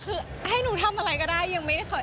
คือให้หนูทำอะไรก็ได้ยังไม่ได้คอย